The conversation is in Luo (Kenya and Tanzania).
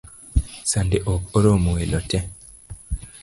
Sande ok oromo welo tee